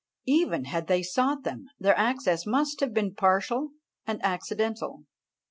Even had they sought them, their access must have been partial and accidental.